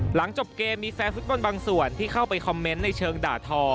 หลังจบเกมมีแฟนฟุตบอลบางส่วนที่เข้าไปคอมเมนต์ในเชิงด่าทอ